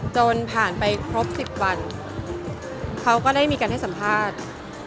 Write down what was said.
จนผ่านไปครบ๑๐วันเขาก็ได้มีการให้สัมภาษณ์